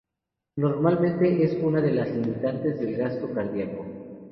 Normalmente es una de las limitantes del gasto cardíaco.